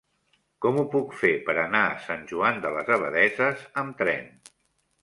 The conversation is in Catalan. Com ho puc fer per anar a Sant Joan de les Abadesses amb tren?